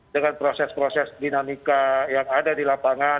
dengan proses proses dinamika yang ada di lapangan